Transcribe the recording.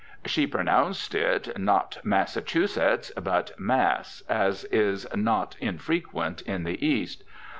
She pronounced it not Massachusetts, but Mass, as is not infrequent in the East.